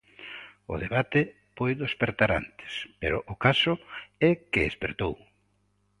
O debate puido espertar antes, pero o caso é que espertou.